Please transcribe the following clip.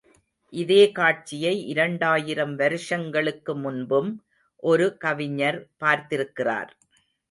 இதே காட்சியை இரண்டாயிரம் வருஷங்களுக்கு முன்பும் ஒரு கவிஞர் பார்த்திருக்கிறார்.